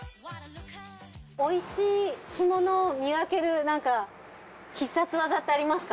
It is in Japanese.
美味しい干物を見分けるなんか必殺技ってありますか？